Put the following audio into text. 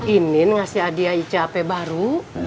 inin ngasih adiah icap baru